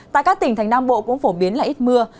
tại các tỉnh thành nam bộ cũng phổ biến là ít mưa